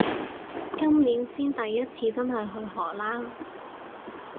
今年先第一次真係去荷蘭